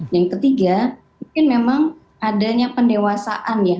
yang ketiga mungkin memang adanya pendewasaan ya